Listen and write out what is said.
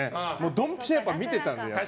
ドンピシャ見てたんで。